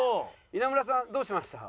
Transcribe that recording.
稲村さんどうしました？